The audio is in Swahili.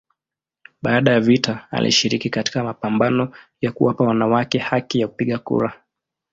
Baada ya vita alishiriki katika mapambano ya kuwapa wanawake haki ya kupiga kura.